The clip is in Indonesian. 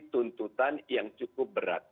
tuntutan yang cukup berat